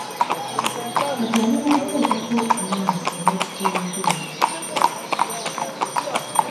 Kati ali mukuteekako maaso n'obukowekowe.